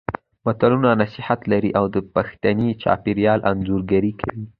متلونه نصيحت لري او د پښتني چاپېریال انځورګري کوي